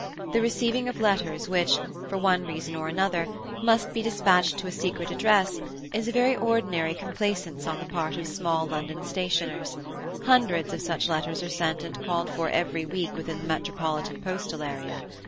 The receiving of letters which, for one reason or another, must be dispatched to a secret address, is a very ordinary complaisance on the part of small London stationers; hundreds of such letters are sent and called for every week within the metropolitan postal area.